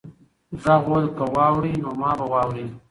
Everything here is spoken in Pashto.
غږ وویل چې که واوړې نو ما به واورې.